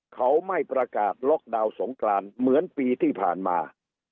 เขาไม่ประกาศล็อกดาวน์สงกรานเหมือนปีที่ผ่านมา